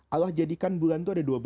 allah jadikan bulan itu ada dua belas